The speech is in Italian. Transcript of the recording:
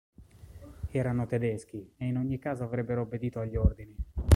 Erano Tedeschi e in ogni caso avrebbero obbedito agli ordini.